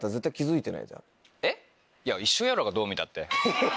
いや一緒やろがどう見たって。